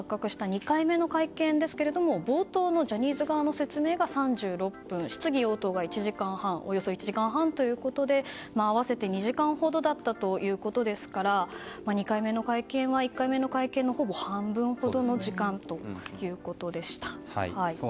２回目の会見は冒頭のジャニーズ側の説明が３６分質疑応答がおよそ１時間半ということで合わせて２時間ほどだったということですから２回目の会見は１回目の会見のほぼ半分ほどの時間ということでした。